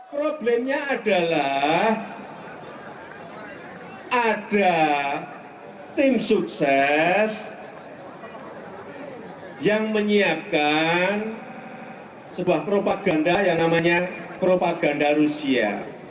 problemnya adalah ada tim sukses yang menyiapkan sebuah propaganda yang namanya propaganda rusia